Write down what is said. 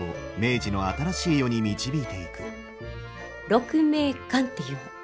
鹿鳴館っていうの。